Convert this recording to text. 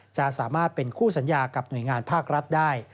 จะสามารถเป็นคู่สัญญากับหน่วยงานภาครัฐได้